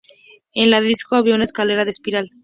En la disco había una escalera en espiral.